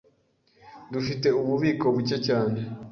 Dufite ububiko buke cyane.